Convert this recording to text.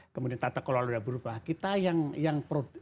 kemudian tata kelola sudah berubah kita yang produk